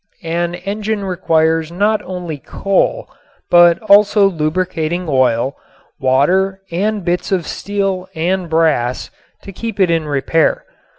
An engine requires not only coal but also lubricating oil, water and bits of steel and brass to keep it in repair.